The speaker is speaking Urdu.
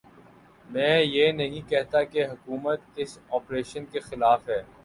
میں یہ نہیں کہتا کہ حکومت اس آپریشن کے خلاف ہے۔